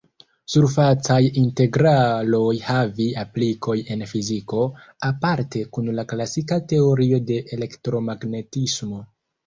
Surfacaj integraloj havi aplikoj en fiziko, aparte kun la klasika teorio de elektromagnetismo.